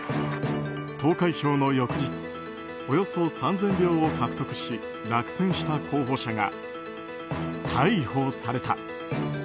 投開票の翌日およそ３０００票を獲得し落選した候補者が逮捕された。